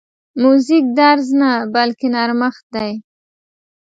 موزیک درز نه، بلکې نرمښت دی.